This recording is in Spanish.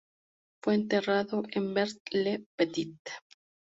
Fue enterrado en Vert-le-Petit.